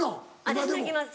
私泣きます